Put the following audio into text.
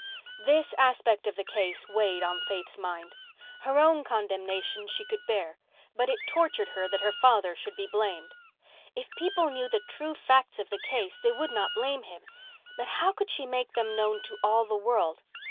This aspect of the case weighed on Faith's mind. Her own condemnation she could bear, but it tortured her that her father should be blamed. If people knew the true facts of the case they would not blame him. But how could she make them known to all the world?